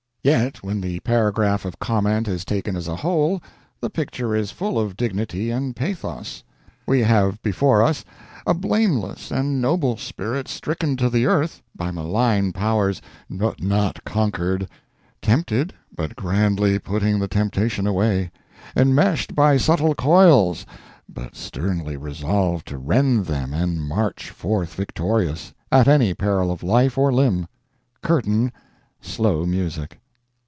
Yet when the paragraph of comment is taken as a whole, the picture is full of dignity and pathos; we have before us a blameless and noble spirit stricken to the earth by malign powers, but not conquered; tempted, but grandly putting the temptation away; enmeshed by subtle coils, but sternly resolved to rend them and march forth victorious, at any peril of life or limb. Curtain slow music.